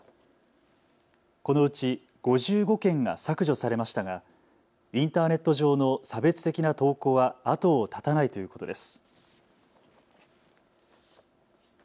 このうち、５５件が削除されましたがインターネット上の差別的な投稿は後を絶たないということです。